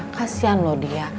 kasian loh dia